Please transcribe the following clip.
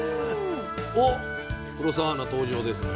おっ黒澤アナ登場ですね。